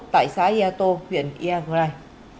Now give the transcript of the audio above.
tại xã yato huyện yagrai